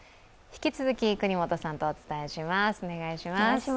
引き続き、國本さんとお伝えします。